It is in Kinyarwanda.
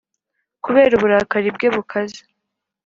Kubera uburakari bwe bukaze